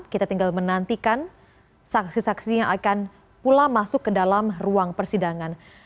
kita tinggal menantikan saksi saksi yang akan pula masuk ke dalam ruang persidangan